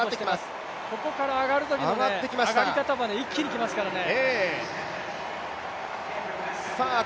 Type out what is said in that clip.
ここから上がるときの上がり方、一気に来ますからね。